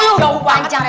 eh enggak upah pak rete